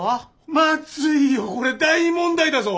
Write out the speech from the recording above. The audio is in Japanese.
まずいよこれ大問題だぞ。